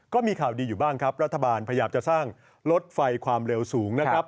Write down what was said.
ก็มีข่าวดีอยู่บ้างครับรัฐบาลพยายามจะสร้างรถไฟความเร็วสูงนะครับ